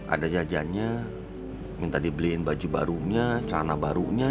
ada jajannya minta dibeliin baju barunya celana barunya